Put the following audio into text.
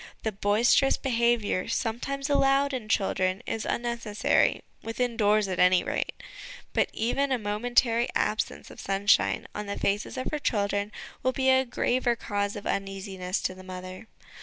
The boisterous behaviour sometimes allowed in children is unneces sary within doors, at any rate ; but even a momentary absence of sunshine on the faces of her children will be a graver cause of uneasiness to the mother.